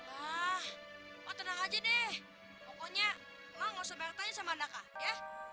ah otak otak aja deh pokoknya emang gak usah bertanya sama daka ya